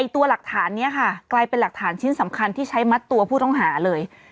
ตัวหลักฐานนี้ค่ะกลายเป็นหลักฐานชิ้นสำคัญที่ใช้มัดตัวผู้ต้องหาเลย